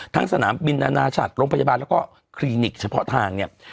สนามบินอนาชาติโรงพยาบาลแล้วก็คลินิกเฉพาะทางเนี่ย